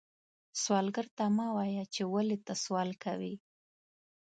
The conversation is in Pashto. سوالګر ته مه وایې چې ولې ته سوال کوې